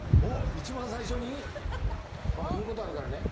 一番最初に⁉ママ言うことあるからね！